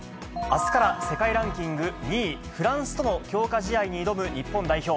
あすから世界ランキング２位、フランスとの強化試合に挑む日本代表。